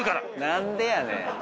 何でやねん！